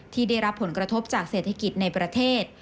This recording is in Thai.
ที่ได้รับผลกระทบจากเศรษฐกิจในประเทศ